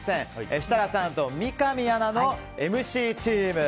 設楽さんと三上アナのＭＣチーム。